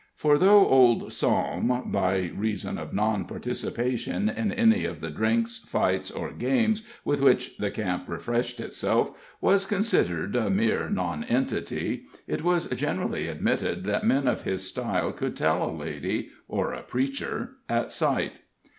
For, though old Psalm, by reason of non participation in any of the drinks, fights, or games with which the camp refreshed itself, was considered a mere nonentity, it was generally admitted that men of his style could tell a lady or a preacher at sight.